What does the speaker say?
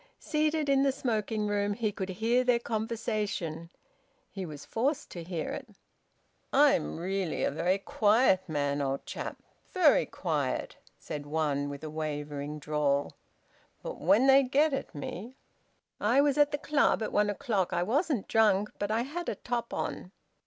Seated in the smoking room he could hear their conversation; he was forced to hear it. "I'm really a very quiet man, old chap, very quiet," said one, with a wavering drawl, "but when they get at me I was at the Club at one o'clock. I wasn't drunk, but I had a top on."